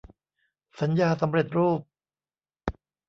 สัญญาสำเร็จรูป